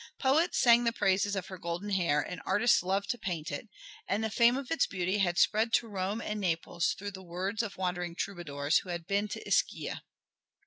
Poets sang the praises of her golden hair and artists loved to paint it, and the fame of its beauty had spread to Rome and Naples through the words of wandering troubadours who had been to Ischia.